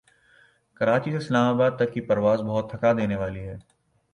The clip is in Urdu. کراچی سے اسلام آباد تک کی پرواز بہت تھکا دینے والی ہے